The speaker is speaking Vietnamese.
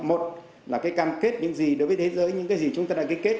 một là cái cam kết những gì đối với thế giới những cái gì chúng ta đã ký kết